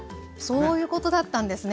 そういうことだったんですね。